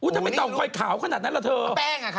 ที่เป็นเต่างอยขาวขนาดนั้นละเธอแป้งค่ะ